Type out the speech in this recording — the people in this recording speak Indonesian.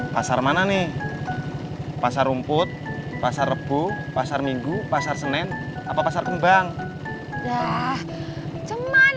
pasar mana nih pasar rumput pasarebu pasar minggu pasar senin apa pasar pembang ah cuman